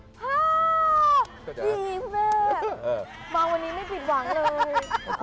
ฮ่าดีเลยมาวันนี้ไม่ติดหวังเลยค่ะ